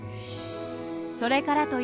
それからというもの